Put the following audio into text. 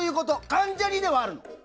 関ジャニではあるの。